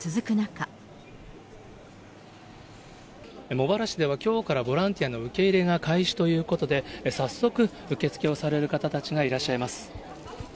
茂原市では、きょうからボランティアの受け入れが開始ということで、早速、受け付けをされる方たちがいらっしゃいます。